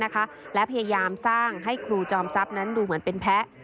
และพยายามสร้างให้ครูจอมทรัพย์นั้นดูเหมือนเป็นแพ้